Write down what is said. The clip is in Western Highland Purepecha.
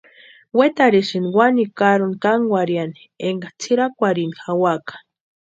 Wetarhisïnti wanikwa karoni kankwarhiani énka tsʼirakwarhini jawaka.